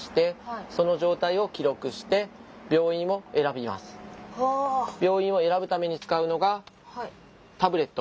病院を選ぶために使うのがタブレット。